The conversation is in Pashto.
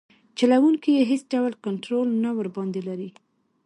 چلوونکي یې هیڅ ډول کنټرول نه ورباندې لري.